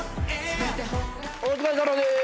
お疲れさまです。